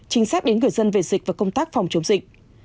chính xác đến người dân về dịch và công tác phòng chống dịch